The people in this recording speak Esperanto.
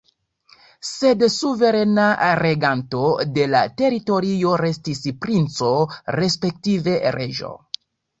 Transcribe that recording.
Sed suverena reganto de la teritorio restis princo, respektive reĝo.